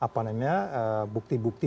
yang kemudian tidak ada bukti bukti